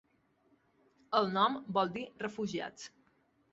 El nom vol dir 'refugiats'.